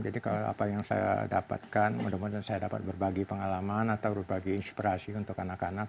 jadi kalau apa yang saya dapatkan mudah mudahan saya dapat berbagi pengalaman atau berbagi inspirasi untuk anak anak